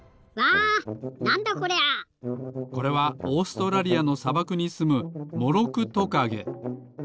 これはオーストラリアのさばくにすむモロクトカゲ。